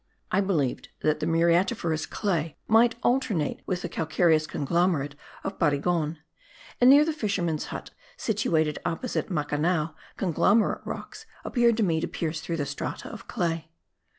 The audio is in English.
I believed that the muriatiferous clay might alternate with the calcareous conglomerate of Barigon; and near the fishermen's huts situated opposite Macanao, conglomerate rocks appeared to me to pierce through the strata of clay.